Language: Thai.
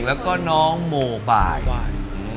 แล้วก็น้องโมบาย